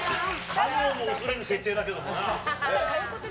神をも恐れぬ設定だけどな。